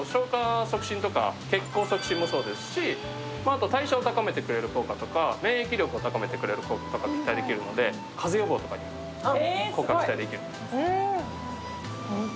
なので消化促進とか結構促進もそうですしあと代謝を高めてくれる効果とか、免疫力を高めてくれる効果が期待できるので、風邪予防になります。